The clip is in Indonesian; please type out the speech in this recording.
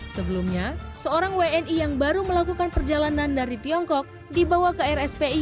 sebelumnya seorang wni yang baru melakukan perjalanan dari tiongkok dibawa ke rspi